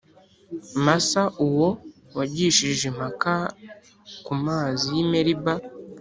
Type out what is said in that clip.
Masa Uwo wagishirije impaka ku mazi y i Meriba